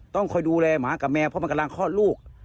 ต้องคอยดูแลหมากับแมวเพราะมันกำลังคลอดลูก